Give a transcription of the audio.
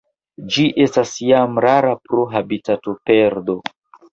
Ĝi estas jam rara pro habitatoperdo.